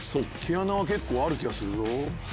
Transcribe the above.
毛穴は結構ある気がするぞ。